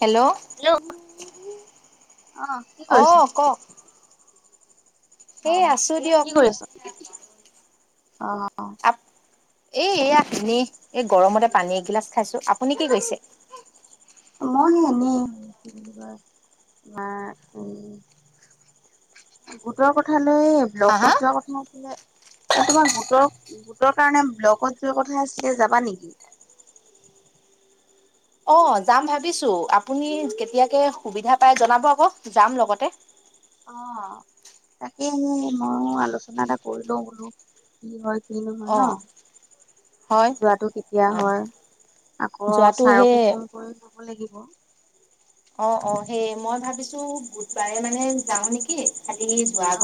Hello. Hello অ কি অ কৰিছে? কওক এই অ' আছো দিয়ক কি কৰি আছ, অহ'। আপ এই [unintelligible] এই গৰমতে পানী এগিলাচ খাইছো আপুনি কি কৈছে? [unintelligible] গোটৰ কথা লৈ হা হা ব্লকত যোৱা কথা আছিলে। এই তোমাৰ গোটৰ, গোটৰ কাৰণে ব্লকত যোৱা কথা আছিলে যাবা নেকি? অ' যাম ভাবিছো আপুনি কেতিয়াকে সুবিধা পাই জনাব আকৌ যাম লগতে। অ' তাকে এনে মইয়ো আলোচনা এটা কৰি লও বোলো কি হয়। কিনো হয় অ ন। হয় যোৱটো কেতিয়া অ হয়, আকৌ যোৱাটো সেই ছাৰকো ফোন কৰি ক'ব লাগিব। অ' অ' সেয়েই মই ভাবিছো বুধবাৰে মানে যাও নেকি আজি।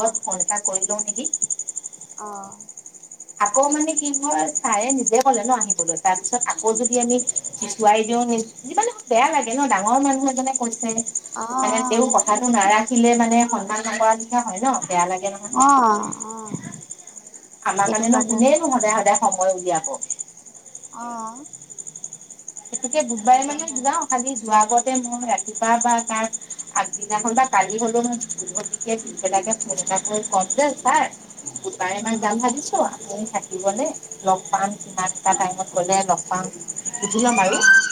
অ পইচা কৰি লও নেকি? অ' আকৌ মানে কি হয় চাৰে নিজে ক'লে ন' আহিবলৈ, তাৰপিছত আকৌ যদি আমি নুখুৱাই দিওঁ নি যিমান বেয়া লাগে ন ডাঙৰ মানুহ এজনে কৈছে, অ অ মানে তেওঁৰ সেইটোৱে কথাতো নাৰা। ৰাখিলে মানে সন্ধান নকৰাৰ নিচিনা হয় ন' বেয়া লাগে নহয়। অহ', অহ'। আমাৰ কাৰণেনো কোনেনো সদায়-সদায় সময় উলিয়াব। অহ। এনেকে বুবাই মানে কাৰণে যাওঁ। খালি যোৱাৰ আগতে মই ৰাতিপুৱা বা তাৰ আগদিনাখন বা কালি হ'লেও মইভ পেলাকে ফোন এটা কৰি ক'ম যে ছাৰ গোটাইমান উম। যাম ভাবিছো আপুনি থ থ দিব লগ পাম কি কটা টাইমত গ'লে লগ পাম। সুধি ল'ম আৰু অ',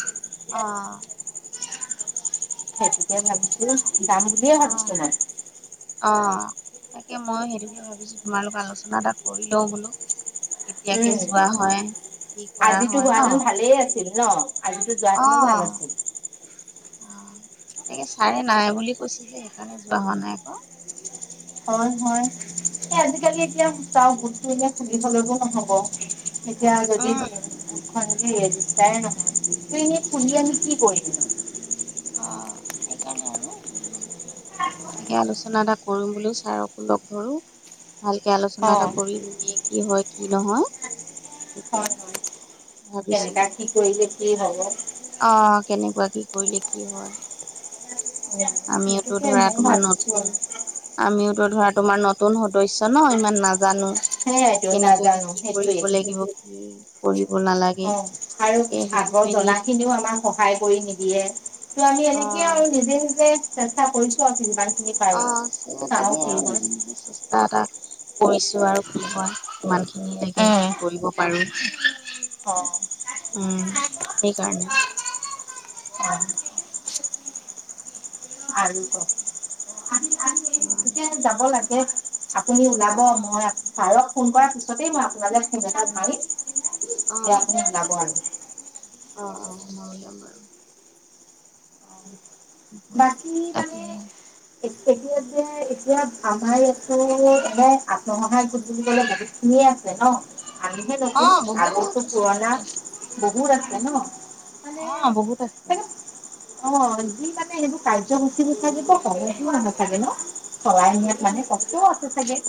অ'। খেতিতে ভাবিছিলো দাম বুলিয় ভাবছ অ', ন। অ, তাকে ময়ো সেইটোকে ভাবিছো তোমালোকৰ আলোচনা এটা কৰি লও বোলো। কেতিয়াকে উম যোৱা হয় কি কৰা আজিতো হয় ন। হোৱাহেতেন [inaudible] যোৱাহেতেনো ভাল অ'। আছিল অ, তাকে ছাৰে নাই বুলি কৈছো যে সেইকাৰণে যোৱা হোৱা নাই আকৌ। হয়, হয়। এ, আজিকালি এতিয়া সা বস্তু এতিয়া সুধিবলে নহব। এতিয়া যদি উম খাই নহয় ত, এনেই ফুলি আমি কি কৰিম। অ, সেইকাৰণে আৰু ম সে আলোচনা এটা কৰিম বুলিও ছাৰকো লগ ধৰো। ভালকে আলোচনা অ এটা কৰি নিমিয় কি হয়, কি নহয় হয় সকে ভাবিছিলো। কৰি যে কি হ'ব অ, কেনেকুৱা কি কৰিলে কি হয় আমিওতো সেইটোকে ধৰা ময়ো তোমাৰ ভাবিছো নতুন আৰু আমিওতো ধৰা তোমাৰ নতুন সদস্য় ন, ইমান নাজানো। সেইয়াইতো কেনেকুৱা নাজানো কি সেইটোৱে কৰিব লাগিব কি কৰিব নালাগে অ, আৰু তাকে সুধি আগৰ মেলি জনা খিনিও আমাৰ সহায় কৰি নিদিয়ে ত' আমি অ এনেকে আৰু নিজে, নিজে [inaudible] [unintelligible] এটা, এটা কৰিছো আৰু কি হয় ইমান খিনি লাগে উম কি কৰিব পাৰো। অ'। উম, সেইকাৰণে। [unintelligible] আৰু ক আৰু উম। যাব লাগে আপুনি ওলাব মই পাৰক ফোন কৰাৰ পিছতেই মই আপোনালে ফেম এটা ভাৰিম অ দতিয়া আপুনি ওলাব আৰু অ', অ', সোমাৰ যাম আৰু। কি হয় বাকী তাকে মানে এতিয়া যে এতিয়া আমাৰ ইয়াতো মানে আত্মসহায়োধ বুলিবলে ভাবি চিয় আছে ন আমিহে অ নতুন আগো বহুত আছে পুৰণা বহুত আছে বহুত আছে ন। মানে অ, বহুত আছে। চাগে অ, যি মানে সেইবোৰ কাৰ্যসূচী নো থাকে বা ক'ব নাথাকে ন। সিয়ত মানে কস্ত আছে চাগে।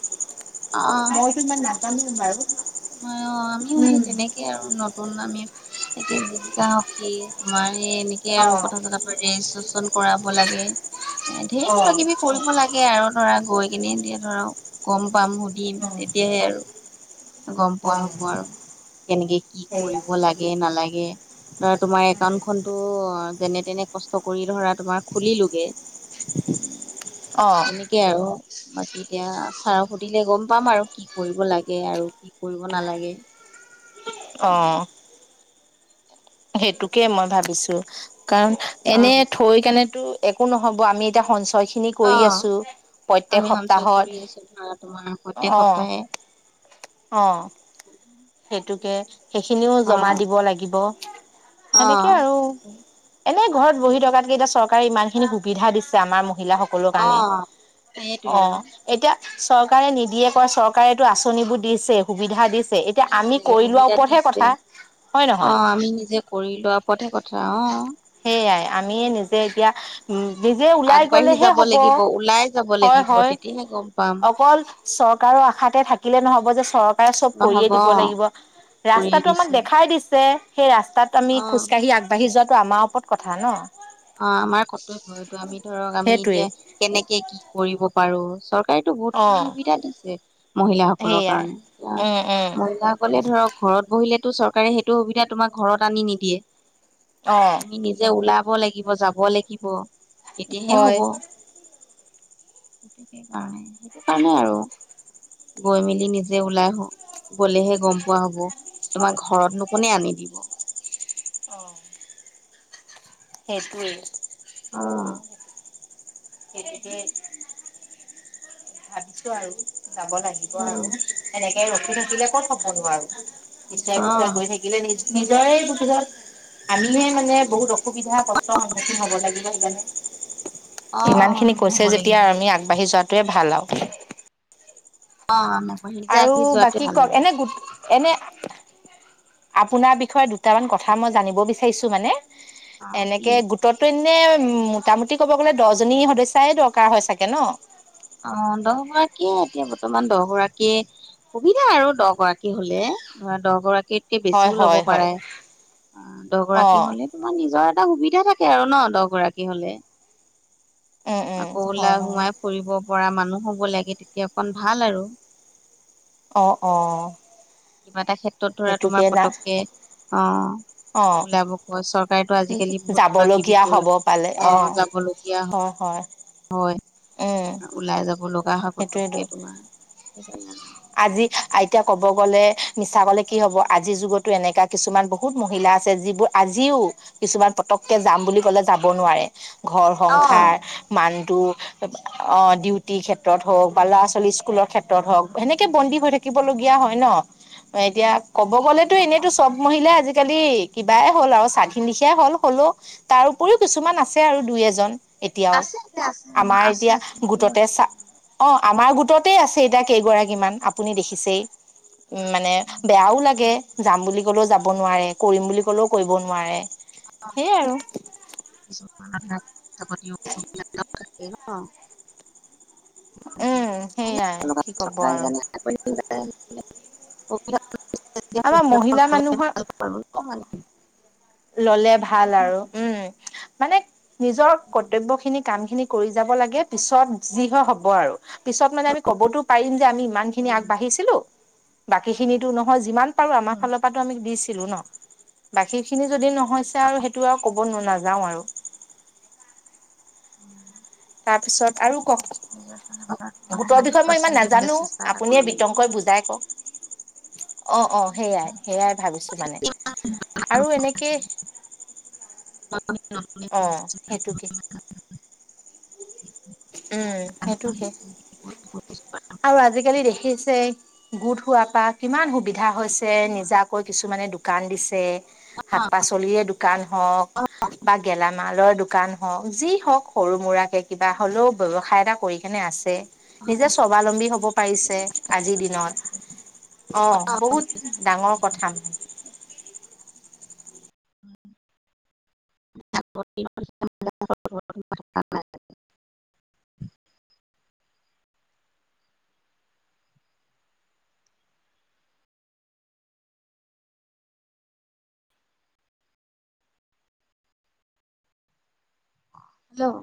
অ', মইতো ইমান নাজানো বাৰু অ', আমিও সেই উম তেনেকে আৰু নতুন আমি এনেকে জীৱিকা সখী আমাৰ এই এনেকে আৰু অ', কথা, চতা ৰেজিষ্ট্ৰেশচন কৰাব লাগে এ, ধেৰ কিবা, অ', কিবি কৰিব লাগে আৰু ধৰা গৈ কিনেতিয়া ধৰক গম পাম সুধিম তেতিয়াহে আৰু গম পোৱা অ', হ'ব আৰু কেনেকে কি সেইয়া। কৰিব লাগে, নালাগে ধৰা তোমাৰ একাউন্ট খনতো যেনে তেনে কষ্ট কৰি ধৰা তোমাৰ খুলিলোগে। [inaudible] অ', [inaudible] তাকে আৰু বাকী এতিয়া চাৰক সুধিলে গম পাম আৰু কি কৰিব লাগে আৰু। কি কৰিব নালাগে। অ'। সেইটোকে মই ভাবিছো কাৰণ অ এনে থৈ কেনেতো একো নহব আমি এতিয়া সঞ্চয় খিনিক অ কৰি আছোঁ আমি প্ৰত্যেক সঞ্চয় কৰি আছো ধৰা তোমাৰ সপ্তাহত প্ৰত্যেক অঁ' সপ্তাহে অঁ', সেইটোকে সেইখিনিও অ জমা দিব লাগিব। অ সেনেকে আৰু। এনেই ঘৰত বহি থকাতকে এতিয়া চৰকাৰে ইমান খিনি সুবিধা দিছে আমাৰ মহিলাসকল সকলো অ কাৰণে সেইটোৱে আৰু অ' এতিয়া চৰকাৰে নিদিয়ে কয় চৰকাৰে এইটো আঁচনিবোৰ দিছে সুবিধা দিছে। এতিয়া আমি দিছে কৰি লোৱাৰ সুবিধা ওপৰতহে দিছে কথা। হয় নহয়? অ', আমি নিজে কৰি লোৱাৰ ওপৰতহে কথা অ'। সেয়াই আমি নিজে এতিয়া নিজে ওলাই আগবাঢ়ি গলেহে যাব হ'ব লাগিব ওলাই যাব হয় লাগিব হয় তেতিয়াহে গম পাম অকল চৰকাৰৰ আশাতে থাকিলে নহব যে চৰকাৰ চব কৰিয়ে নহব অ দিব লাগিব কৰিয়ে ৰাস্তাটো আমাক দিছে দেখাই দি সেই ৰাস্তাত ত আমি অ খোজকাঢ়ি আগবাঢ়ি যোৱাটো আমাৰ ওপৰত কথা ন। অ', আমাৰ কৰ্তব্য এইটো আমি ধৰক আমি সেইটোৱে এতিয়া কেনেকে কি কৰিব পাৰো চব চৰকাৰেটো বহুত অ খিনি সুবিধা দিছে মহিলাাসকলৰ সেইয়াই কাৰণে এতিয়া উম উম মহিলাাসকলে ধৰক ঘৰত বহিলেতো চৰকাৰে সেইটো সুবিধা তোমাক ঘৰত আনি নিদিয়ে। অ তুমি নিজে ওলাব লাগিব যাব লাগিব তেতিয়াহে হয় হব। সেইটোই কাৰণে সেইটো কাৰণেই আৰু। গৈ মেলি নিজে ওলাই আহো গলেহে গম পোৱা হব তোমাক ঘৰত নো কোনে আনি দিব। অ'। সেইটোৱেই। অ গতিকে ভাবিছো আৰু যাব লাগিব আৰু সেনেকে ৰখি থাকিলে ক'ত হ'ব নো আৰু পিছুৱাই অ পিছুৱাই গৈ অ থাকি লে নিজৰে [unintelligible] আমিে মানে বহুত অসুবিধা কষ্টৰ সন্মুখীন হ'ব লাগিব সেইকাৰণে ইমান খিনি সন্মুখীন কৈছে হব যেতিয়া লাগিব আমি আগবাঢ়ি যোৱাতোৱে ভাল আৰু। অ', অ'। আৰু বাকী কওক এনে গো এনে আপোনাৰ বিষয়ে দুটামান কথা মই জানিব বিচাৰিছোঁ মানে। অ কি এনেকে গো টত এনে মোটামুটি ক'ব গ'লে দহজনী সদস্যাই দৰকাৰ হয় চাগে ন? অ', দহ গৰাকীয়ে এতিয়া বৰ্তমান দহ গৰাকীয়ে সুবিধা আৰু দহগৰাকী হলে ধৰা দহগৰাকী হয় বেছিও ল'ব হয় হয় পাৰে অ', দহ অ গৰাকী হলে তোমাৰ নিজৰ এটা সুবিধা থাকে আৰু ন দহ গৰাকী হলে। উম উম আকৌ হয় ওলাই হয় সোমাই ফুৰিব পৰা মানুহ হ'ব লাগে তেতিয়া অকন ভাল আৰু। অ', অ'। কিবা এটা ক্ষেত্ৰত ধৰা সেইটোকে তোমাৰ না পতককে অ' অ'। হয় চৰকাৰেতো আজিকালি বহুত কিবা কিবি যাবলগীয়া কৰি হ'ব পালে অ', যাবলগীয়া হয় হয়। অ'। ওলাই যাব লগা হয় পটকে তোমাৰ সেইকাৰণে আৰু। আজি আইতিয়া ক'ব গ'লে মিছা কলে কি হ'ব আজিৰ যুগতো এনেককাা কিছুমান বহুত মহিলা আছে যিবোৰ আজিও কিছুমান পটককে যাম বুলি ক'লে যাব নোৱাৰে, ঘৰ অ সংসাৰ মানটো ডিউটিৰ ক্ষেত্ৰত হওক বা ল'ৰা ছোৱালী স্কুলৰ ক্ষেত্ৰত হওক সেনেকে বন্দী হৈ থাকিবলগগীয়া হয় ন'। এতিয়া ক'ব গ'লেতো এনেইতো চব মহিলাই আজিকালি কিবাই হ'ল আৰু স্বাধীন লেখিয়াই হ'ল হ'লেও তাৰ উপৰিও কিছুমান আছে আৰু দুই এজন। এতিয়াও আছে আছে আছে অ আমাৰ আছে এতিয়া আছে এতিয়াও গোটতে আছে চা অ' আমাৰ গোটতেই আছে এতিয়া কেইগৰাকীমান আপুনি দেখিছেই। উম, মানে বেয়াও লাগে যাম বুলি ক'লেও যাব নোৱাৰে, কৰিম বুলি ক'লেও কৰিব নোৱাৰে। সেইয়াই আৰু [unintelligible] উম সেইয়াই কি ক'ব আৰু [unintelligible] আমাৰ মহিলা মানুহৰ অকমান ললে ভাল আৰু উম। মানে নিজৰ কৰ্তব্যখিনি কামখিনি কৰি যাব লাগে পিছত যি হয় হ'ব আৰু। পিছত মানে আমি ক'বতো পাৰিম যে আমি ইমানখিনি আগবাঢ়িছিলোঁ বাকিখিনিতো নহ'ল যিমান বাৰু আমাৰ উম ফালৰপৰা আমি দিছিলোঁ ন' বাকীখিনি যদি নহৈছে আৰু সেইটো আৰু ক'ব ক'বনো নাযাও আৰু। তাৰপিছত আৰু কওক। নিজৰ কাৰনে গোটৰ হান্দ্ৰেদ বিষয়ে মই ইমান পাৰ্চেন দিবলৈ নাজানো চেষ্টা এটা আপুনিয়ে কৰিব বিতংকৈ লাগিব। বুজাই কওক। অ', অ, সেইয়াই সেইয়াই ভাবিছোঁ মানে আৰু এনেকে [unintelligible] সেইটো কি? উম, সেইটোকে। আৰু আজিকালি দেখি আছে গোট হোৱাৰপৰা কিমান সুবিধা হৈছে, নিজাকৈ কিছুমানে দোকান দিছে। শাক পাচলিৰে দোকান হওক বা গেলামালৰ দোকান যি হওক সৰু ম'ৰাকে কিবা হ'লেও ব্যৱসায় এটা কৰি কেনে আছে। নিজে স্বাৱলম্বী হ'ব পাৰিছে আজিৰ দিনত। অ' বহুত ডাঙৰ কথা মানে। [unintelligible] [unintelligible] হেল্ল'।